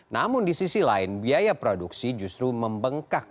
namun di sisi lain biaya produksi justru membengkak